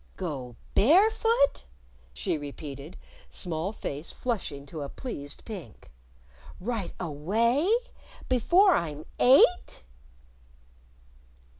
"Go barefoot?" she repeated, small face flushing to a pleased pink. "Right away? Before I'm eight?"